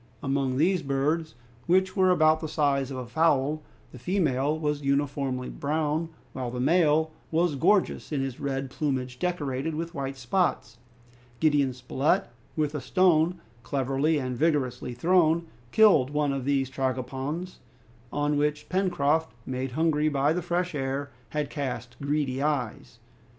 Among these birds, which were about the size of a fowl, the female was uniformly brown, while the male was gorgeous in his red plumage, decorated with white spots. Gideon Spilett, with a stone cleverly and vigorously thrown, killed one of these tragopans, on which Pencroft, made hungry by the fresh air, had cast greedy eyes.